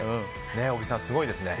小木さん、すごいですね。